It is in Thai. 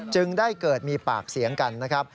จึงได้เกิดมีปากเสียงกันนะครับ